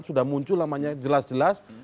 sudah muncul namanya jelas jelas